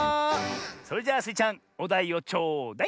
それじゃあスイちゃんおだいをちょうだい！